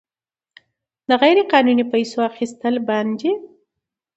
د غیرقانوني پیسو اخیستل بند دي؟